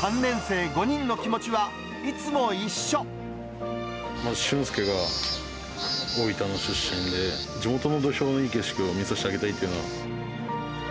３年生５人の気持ちは、俊介が大分の出身で、地元の土俵でいい景色を見させてあげたいというのは。